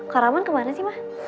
kak rahman kemana sih ma